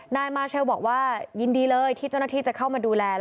นายมาเชลบอกว่ายินดีเลยที่เจ้าหน้าที่จะเข้ามาดูแล